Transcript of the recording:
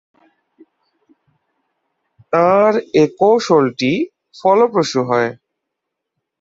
তাঁর এ কৌশলটি ফলপ্রসু হয়।